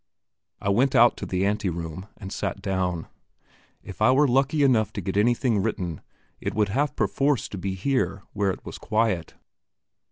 I went out to the ante room, and sat down. If I were lucky enough to get anything written, it would have perforce to be here where it was quiet.